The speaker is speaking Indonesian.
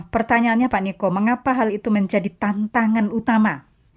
pertanyaannya pak niko mengapa hal itu menjadi tantangan utama